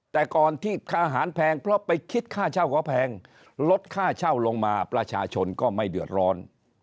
แต่ก่อนที่ค่าอาหารแพงเพราะไปคิดค่าเช่าก็แพงลดค่าเช่าลงมาประชาชนก็ไม่เดือดร้อน